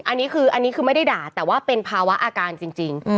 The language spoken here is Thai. อันนี้คือไม่ได้ด่าแต่ว่าเป็นภาวะอาการจริง